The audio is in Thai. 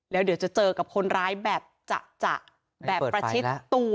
แล้วเดี๋ยวจะเจอกับคนร้ายแบบจะแบบประชิดตัว